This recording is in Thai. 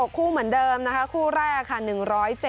ช่วยเทพธรรมไทยรัช